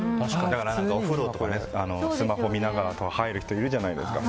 お風呂とか、スマホ見ながら入る人いるじゃないですか。